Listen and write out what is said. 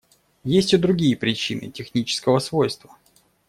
Есть и другие причины − технического свойства.